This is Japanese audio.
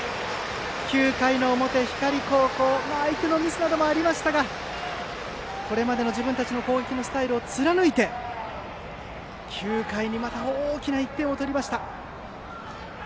９回表、光高校相手のミスなどもありましたがこれまでの自分たちの攻撃のスタイルを貫いて、９回にまた大きな１点を取りました。